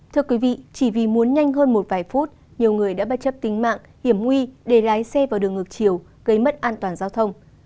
thưa quý vị chỉ vì muốn nhanh hơn một vài phút nhiều người đã bất chấp tính mạng hiểm nguy để lái xe vào đường ngược chiều gây mất an toàn giao thông